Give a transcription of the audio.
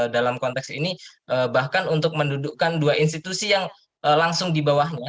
dalam konteks ini bahkan untuk mendudukkan dua institusi yang langsung di bawahnya